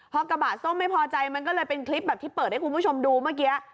พอกระบะส้มไม่พอใจมันก็เลยเป็นคลิปแบบที่เปิดให้คุณผู้ชมดูเมื่อกี้